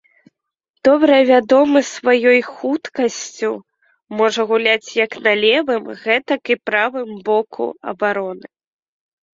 Добра вядомы сваёй хуткасцю, можа гуляць як на левым, гэтак і правым боку абароны.